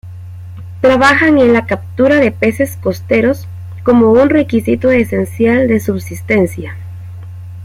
Trabajan en la captura de peces costeros como un requisito esencial de subsistencia.